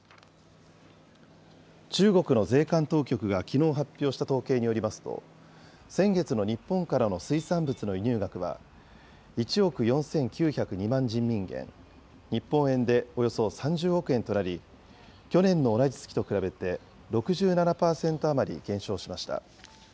中国の税関当局がきのう発表した統計によりますと、先月の日本からの水産物の輸入額は、１億４９０２万人民元、日本円でおよそ３０億円となり、去年の同じ月と比べて６７％余り減少しました。